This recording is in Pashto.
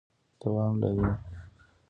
دوام لري ...